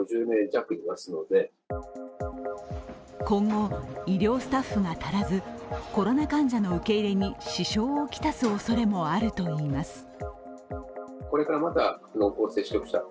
今後、医療スタッフが足らず、コロナ患者の受け入れに支障を来すおそれもあるといいます。